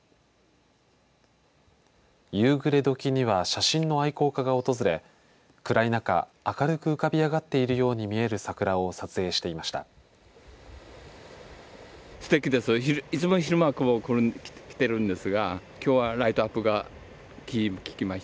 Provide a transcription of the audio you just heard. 夕暮れどきには写真の愛好家が訪れ暗い中、明るく浮かびあがっているように見える桜を撮影していました。